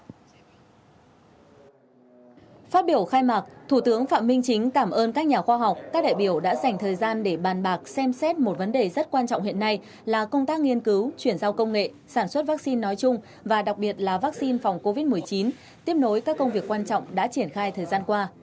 phát biểu khai mạc thủ tướng phạm minh chính cảm ơn các nhà khoa học các đại biểu đã dành thời gian để bàn bạc xem xét một vấn đề rất quan trọng hiện nay là công tác nghiên cứu chuyển giao công nghệ sản xuất vaccine nói chung và đặc biệt là vaccine phòng covid một mươi chín tiếp nối các công việc quan trọng đã triển khai thời gian qua